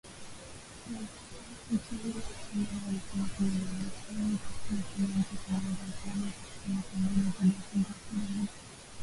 Rais mteule wa Somalia amesema kwamba Marekani itakuwa tena nchini Somalia kusaidia katika mapambano dhidi ya kundi la kigaidi.